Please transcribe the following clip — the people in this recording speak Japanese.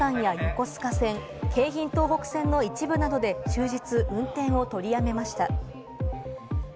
これにより東海道線の東京ー熱海間や、横須賀線、京浜東北線の一部などで、終日運転を取りやめました。